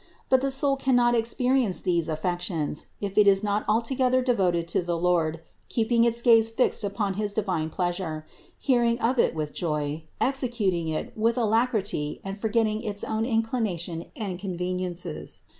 But the soul cannot experience these affections, if it is not altogether devoted to the Lord, keeping its gaze fixed upon his divine pleasure, hearing of it with joy, executing it with alacrity and forgetting its own inclination and conveniences.